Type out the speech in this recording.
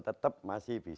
tetap masih bisa